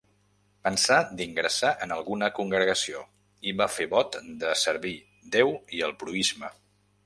Pensà d'ingressar en alguna congregació i va fer vot de servir Déu i el proïsme.